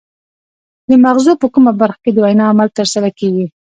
د مغزو په کومه برخه کې د وینا عمل ترسره کیږي